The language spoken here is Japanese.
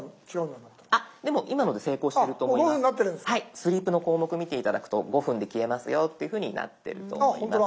スリープの項目を見て頂くと５分で消えますよっていうふうになってると思います。